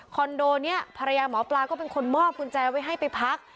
โดนี้ภรรยาหมอปลาก็เป็นคนมอบกุญแจไว้ให้ไปพัก